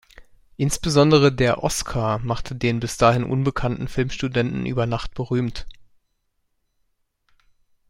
Insbesondere der „Oscar“ machte den bis dahin unbekannten Filmstudenten über Nacht berühmt.